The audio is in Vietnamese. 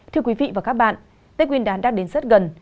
thưa quý vị và các bạn tết nguyên đán đang đến rất gần